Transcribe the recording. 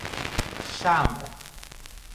شمع